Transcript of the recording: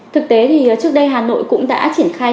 thực tế thì trước đây hà nội cũng đã triển khai